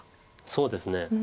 そうですね。